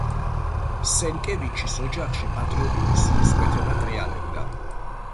სენკევიჩის ოჯახში პატრიოტული სულისკვეთება ტრიალებდა.